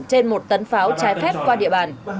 trên một tấn pháo trái phép qua địa bàn